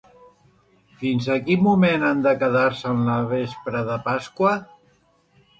Fins a quin moment han de quedar-se en la vespra de Pasqua?